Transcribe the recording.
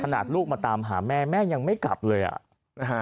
ขนาดลูกมาตามหาแม่แม่ยังไม่กลับเลยอ่ะ